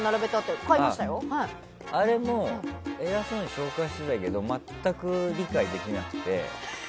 あれも偉そうに紹介していたけど全く理解できなくて。